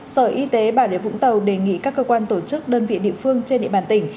sở y tế bà rịa vũng tàu đề nghị các cơ quan tổ chức đơn vị địa phương trên địa bàn tỉnh